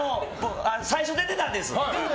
最初、出てたんです。